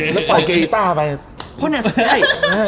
แล้วพอเกรตาไปเพราะเนี่ยใช่